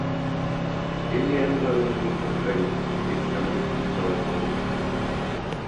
Ele era um garoto muito atraente, fisicamente e intelectualmente.